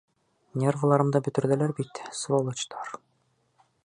Нервыларымды бөтөрҙөләр бит, сволочтар.